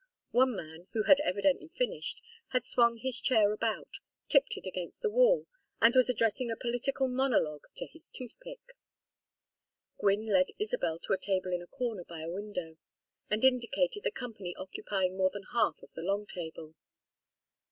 One man, who had evidently finished, had swung his chair about, tipped it against the wall, and was addressing a political monologue to his toothpick. Gwynne led Isabel to a table in a corner by a window, and indicated the company occupying more than half of the long table.